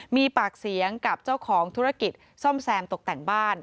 มีปากเสียงกับเจ้าของธุรกิจซ่อมแซมตกแต่งบ้าน